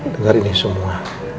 dari ini semua